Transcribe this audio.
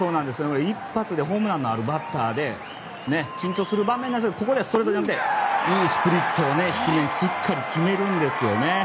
一発でホームランのあるバッターで緊張する場面ですがここでストレートを選んでいいスプリットをしっかり決めるんですね。